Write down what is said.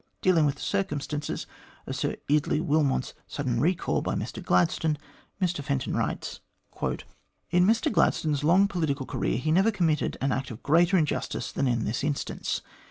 Dealing with the circumstances of Sir Eardley Wilmot's sudden recall by Mr Gladstone, Mr Fenton writes :" In Mr Gladstone's long political career, he never committed an act of greater injustice than in this instance.